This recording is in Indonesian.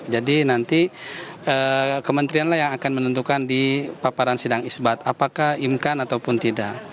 jadi nanti kementerian lah yang akan menentukan di paparan sidang isbat apakah imkan ataupun tidak